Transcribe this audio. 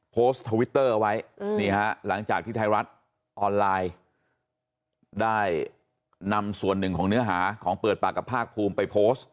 ทวิตเตอร์เอาไว้นี่ฮะหลังจากที่ไทยรัฐออนไลน์ได้นำส่วนหนึ่งของเนื้อหาของเปิดปากกับภาคภูมิไปโพสต์